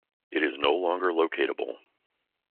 It is no longer locatable.